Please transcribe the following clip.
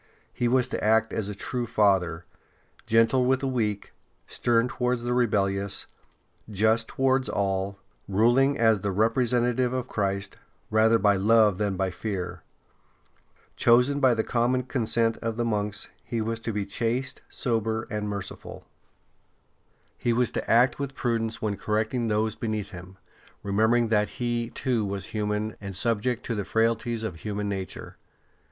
He was to act as a true father, gentle with the weak, stern towards the rebellious, just towards all, ruling as the representative of Christ, rather by love than by fear. Chosen by the common consent of the monks, he was to be chaste, sober, and ST. BENEDICT 73 merciful. He was to act with prudence when correcting those beneath him, remembering that he, too, was human and subject to the frailties of human nature.